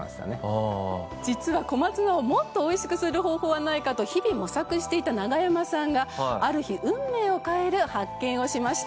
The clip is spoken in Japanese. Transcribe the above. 実は小松菜をもっと美味しくする方法はないかと日々模索していたナガヤマさんがある日運命を変える発見をしました。